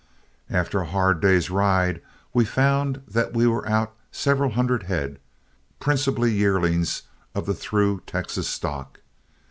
After a hard day's ride, we found that we were out several hundred head, principally yearlings of the through Texas stock.